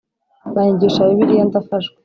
banyigisha Bibiliya ndafashwa